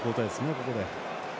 ここで。